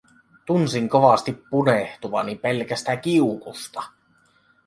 Tunsin kovasti punehtuvani pelkästä kiukusta.